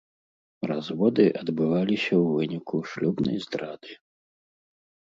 Разводы адбываліся ў выніку шлюбнай здрады.